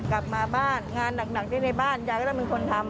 กลับมาบ้านงานหนักที่ในบ้านยายก็ต้องเป็นคนทำ